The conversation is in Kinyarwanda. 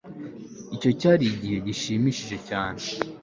icyo cyari igihe gishimishije cyane